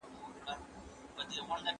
د بدن بوی د ټولنیزو شرایطو اغېز هم لري.